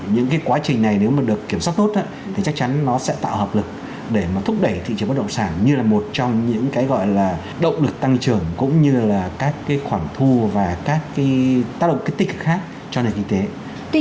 những cái quá trình này nếu mà được kiểm soát tốt thì chắc chắn nó sẽ tạo hợp lực để mà thúc đẩy thị trường bất động sản như là một trong những cái gọi là động lực tăng trưởng cũng như là các cái khoản thu và các cái tác động kích tích cực khác cho nền kinh tế